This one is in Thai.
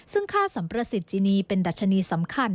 ซึ่งค่าสัมประสิทธิจินีเป็นดัชนีสำคัญ